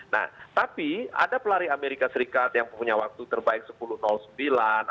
nah tapi ada pelari amerika serikat yang punya waktu terbaik sepuluh dua puluh lima detik